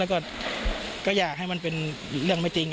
แล้วก็อยากให้มันเป็นเรื่องไม่จริง